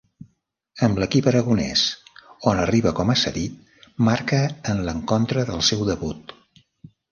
Amb l'equip aragonès, on arriba com a cedit, marca en l'encontre del seu debut.